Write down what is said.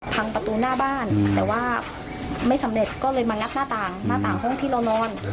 พังประตูหน้าบ้านแต่ว่าไม่สำเร็จก็เลยมางัดหน้าต่างหน้าต่างห้องที่เรานอน